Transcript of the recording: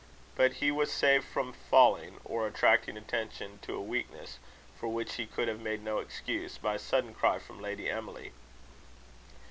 But he was saved from falling, or attracting attention to a weakness for which he could have made no excuse, by a sudden cry from Lady Emily.